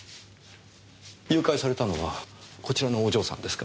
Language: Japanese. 誘拐されたのはこちらのお嬢さんですか？